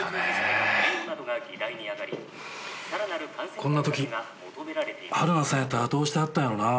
こんなとき春名さんやったらどうしてはったんやろなぁ。